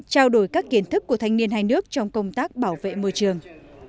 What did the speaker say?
trao đổi các kiến thức của thanh niên hai nước trong công tác bảo vệ môi trường